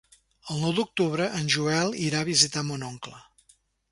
El nou d'octubre en Joel irà a visitar mon oncle.